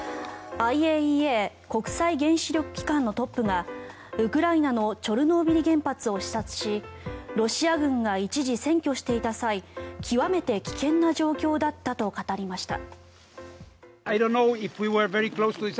ＩＡＥＡ・国際原子力機関のトップがウクライナのチョルノービリ原発を視察しロシア軍が一時占拠していた際極めて危険な状況だったと語りました。